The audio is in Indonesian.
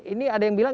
ini ada yang bilang